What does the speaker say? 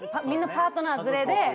みんなパートナー連れで。